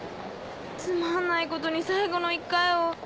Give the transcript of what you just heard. つまんないことに最後の１回を。